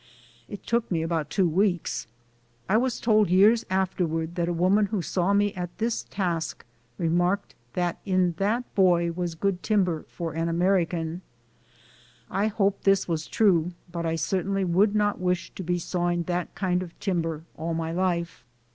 It took me about two weeks. I was told years afterward that a woman who saw me at this task remarked that in that boy was good timber for an American. I hope this was true, but I certainly would not wish to be sawing that kind of timber all my life.